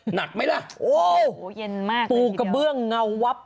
หนักไหมล่ะโอ้โหเย็นมากปูกระเบื้องเงาวับ